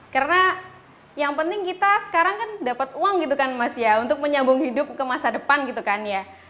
karena yang penting kita sekarang kan dapat uang gitu kan mas ya untuk menyambung hidup ke masa depan gitu kan ya